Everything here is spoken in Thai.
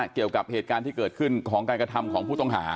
เกี่ยวกับเหตุการณ์ที่เกิดขึ้นของการกระทำของผู้ต้องหา